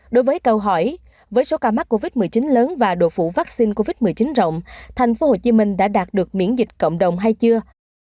đối với câu hỏi với số ca mắc covid một mươi chín lớn và độ phủ vaccine covid một mươi chín rộng thành phố hồ chí minh đã đạt được miễn dịch cộng đồng hay chưa